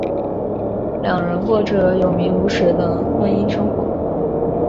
两人过着有名无实的婚姻生活。